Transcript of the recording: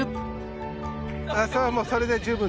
あもうそれで十分です。